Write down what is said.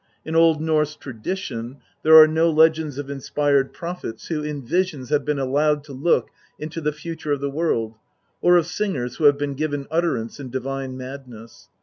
In Old Norse tradition there are no legends of inspired prophets who in visions have been allowed to look into the future of the world, or of singers who have been given utterance in divine madness.